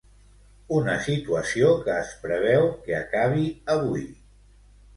Una situació que es preveu que acabi avui.